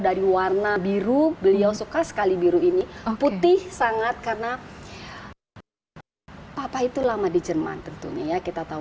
dari warna biru beliau suka sekali biru ini putih sangat karena papa itu lama di jerman tentunya ya kita tahu